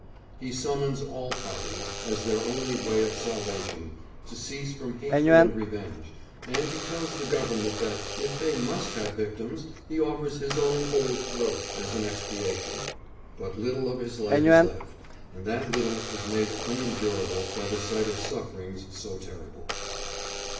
He summons all parties, as their only way of salvation, to cease from hatred and revenge, and he tells the Government that, if they must have victims, he offers his "own old throat," as an expiation: but little of his life is left, and that little is made unendurable by the sight of sufferings so terrible.